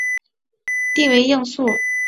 弟为应傃。